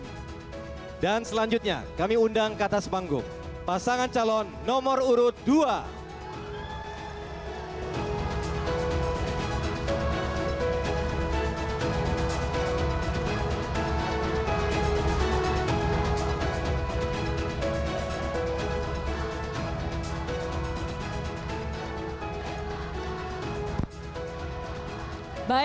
pria kelahiran demi inwei dua puluh tiga oktober shooting sony med rozak fvce lawan